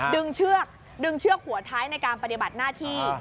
เชือกดึงเชือกหัวท้ายในการปฏิบัติหน้าที่